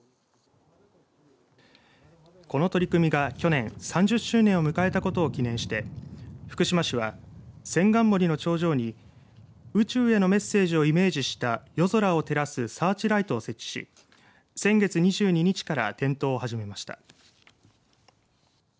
この取り組みが去年３０周年を迎えたことを記念して福島市は千貫森の頂上に宇宙へのメッセージをイメージした夜空を照らすサーチライトを設置し先月２２日から点灯を始めました。